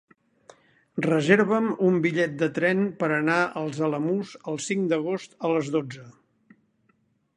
Reserva'm un bitllet de tren per anar als Alamús el cinc d'agost a les dotze.